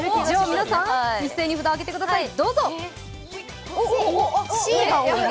皆さん、一斉に札、上げてください。